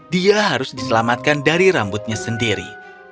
dia harus diselamatkan dari rambutnya sendiri